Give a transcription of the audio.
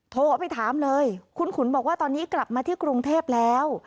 โทรไปถามเลยคุณขุนบอกว่าตอนนี้กลับมาที่กรุงเทพแล้ว